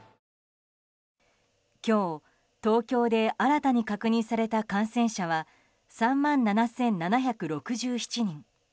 今日、東京で新たに確認された感染者は３万７７６７人。